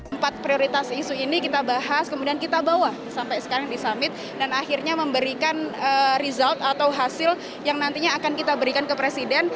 empat prioritas isu ini kita bahas kemudian kita bawa sampai sekarang di summit dan akhirnya memberikan result atau hasil yang nantinya akan kita berikan ke presiden